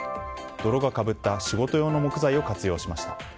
泥がかぶった仕事用の木材を活用しました。